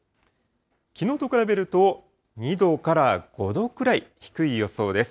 きのうと比べると、２度から５度くらい低い予想です。